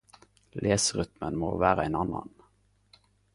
Leserytmen må vera ein annan.